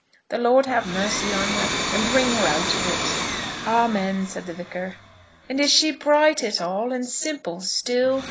The Lord have mercy on her, and bring her out of it!" "Amen," said the Vicar. "And is she bright at all, and simple still?